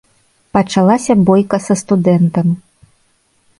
Пачалася бойка са студэнтам.